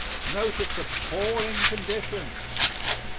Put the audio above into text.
Note its appalling conditions.